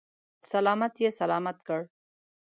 سلامت یې سلامت کړ.